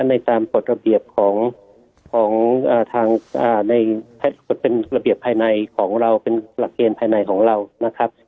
ในตามปฏิเสธเป็นระเบียบภายในของเราเป็นหลักเกณฑ์ภายในของเรานะครับ